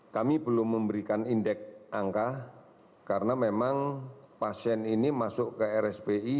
kami belum memberikan indeks angka karena memang pasien ini masuk ke rspi